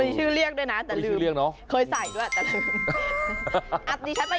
ชื่อเรียกด้วยนะแต่ลืม